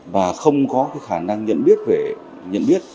và không có khả năng nhận biết về